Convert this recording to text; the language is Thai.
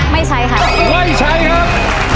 ไม่ใช้ครับไม่ใช้ครับ